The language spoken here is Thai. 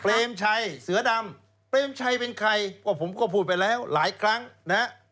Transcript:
เปรมชัยเสือดำเปรมชัยเป็นใครก็ผมก็พูดไปแล้วหลายครั้งนะฮะ